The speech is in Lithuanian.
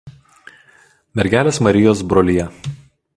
Mergelės Marijos brolija.